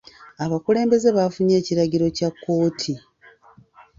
Abakulembeze baafunye ekiragiro kya kkooti.